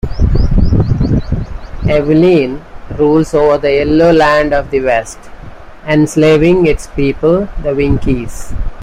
Evillene rules over the yellow land of the west, enslaving its people, the Winkies.